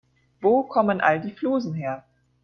Wo kommen all die Flusen her?